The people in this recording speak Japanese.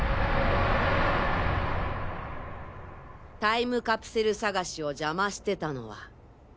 タイムカプセル探しを邪魔してたのは。